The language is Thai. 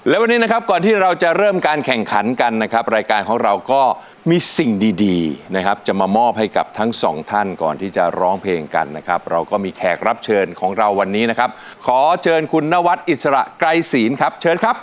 และวันนี้นะครับก่อนที่เราจะเริ่มการแข่งขันกันนะครับรายการของเราก็มีสิ่งดีดีนะครับจะมามอบให้กับทั้งสองท่านก่อนที่จะร้องเพลงกันนะครับเราก็มีแขกรับเชิญของเราวันนี้นะครับขอเชิญคุณนวัดอิสระไกรศีลครับเชิญครับ